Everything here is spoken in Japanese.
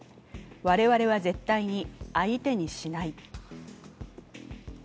我々は絶対に相手にしない。